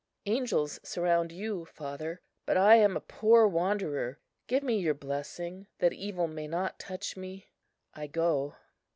Angels surround you, father; but I am a poor wanderer. Give me your blessing that evil may not touch me. I go."